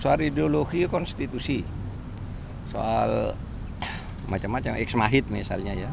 soal ideologi konstitusi soal macam macam eksmahid misalnya ya